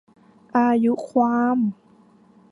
อายุความ